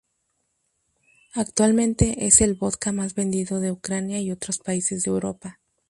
Actualmente es el vodka más vendido de Ucrania y otros países de Europa.